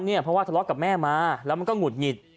เพราะว่าทะเลาะกับแม่มาแล้วมันก็หงุดหงิด